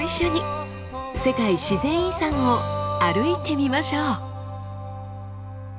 世界自然遺産を歩いてみましょう。